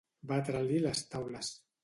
Batre-li les taules.